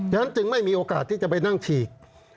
ฉะนั้นจึงไม่มีโอกาสที่จะไปนั่งฉีก